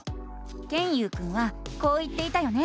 ケンユウくんはこう言っていたよね。